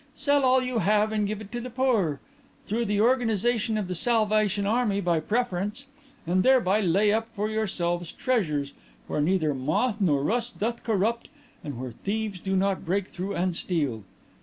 Sell all you have and give it to the poor through the organization of the Salvation Army by preference and thereby lay up for yourselves treasures where neither moth nor rust doth corrupt and where thieves do not break through and steal.